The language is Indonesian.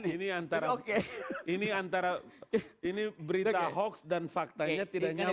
ini antara berita hoax dan faktanya tidak nyambung